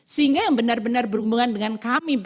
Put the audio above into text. sehingga yang benar benar berhubungan dengan kami